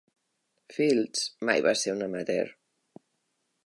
Fields mai va ser un amateur.